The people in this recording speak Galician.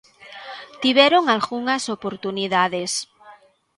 Tiveron algunhas oportunidades.